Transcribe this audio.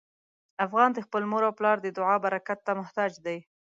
افغان د خپل مور او پلار د دعا برکت ته محتاج دی.